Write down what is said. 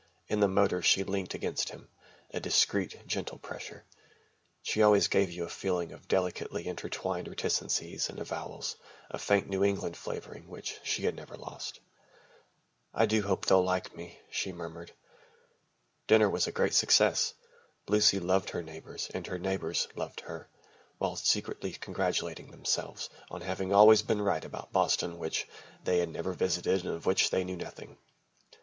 In the motor she leant against him, a discreet gentle pressure. She always gave you a feeling of delicately intertwined reticencies and avowals, a faint New England flavouring which she had never lost. "I do hope they'll like me," she murmured. Dinner was a great success. Lucy loved her neighbours and her neighbours loved her, while secretly congratulating themselves on having always been right about Boston (which they had never visited and of which they knew nothing).